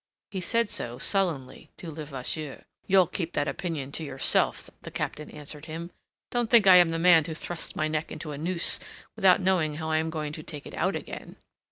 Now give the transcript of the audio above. He said so, sullenly, to Levasseur. "You'll keep that opinion to yourself," the Captain answered him. "Don't think I am the man to thrust my neck into a noose, without knowing how I am going to take it out again.